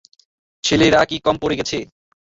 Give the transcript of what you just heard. ছেলেরা কি কম পড়ে গেছে?